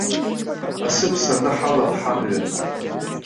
Асыԥса анаҳалап ҳамҩа.